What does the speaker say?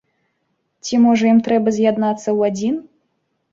Ці, можа, ім трэба з'яднацца ў адзін?